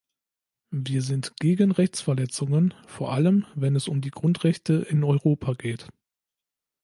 Wir sind gegen Rechtsverletzungen, vor allem, wenn es um die Grundrechte in Europa geht.